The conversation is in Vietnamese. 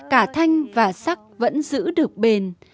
cả thanh và sắc vẫn giữ được bền